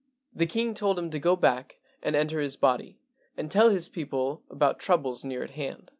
The king told him to go back and enter his body and tell his people about troubles near at hand.